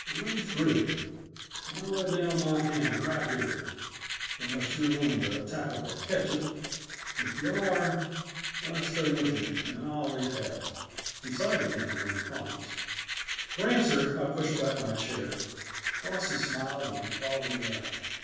I'm through. I lay down my hand right here unless you're willing to tackle the ketchup. If you are, I stay with you, and I'll eat half." He sighed again when he promised. For answer I pushed back my chair. Frosty smiled and followed me out.